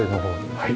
はい。